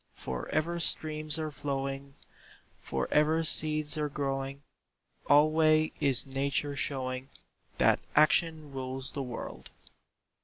For ever streams are flowing, For ever seeds are growing, Alway is Nature showing That Action rules the world.